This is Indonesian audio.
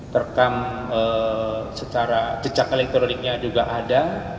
terekam secara jejak elektroniknya juga ada